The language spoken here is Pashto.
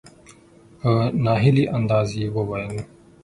په نا هیلي انداز یې وویل .